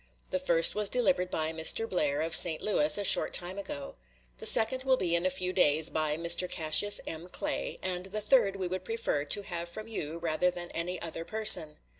The first was delivered by Mr. Blair, of St. Louis, a short time ago; the second will be in a few days, by Mr. Cassius M. Clay, and the third we would prefer to have from you rather than any other person.